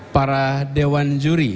para dewan juri